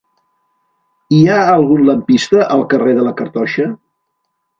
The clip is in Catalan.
Hi ha algun lampista al carrer de la Cartoixa?